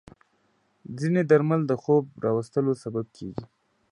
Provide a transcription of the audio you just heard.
ځینې درمل د خوب راوستلو سبب کېږي.